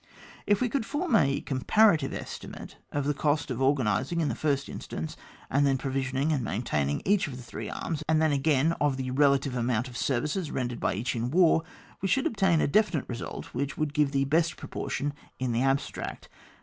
If we could form a comparative esti« mate of the cost of organising in the first instance, and then provisioning and maintaining each of the three arms, and then again of the relative amount of service rendered by each in war, we should obtain a definite resxdt which would give the best proportion in the abstract.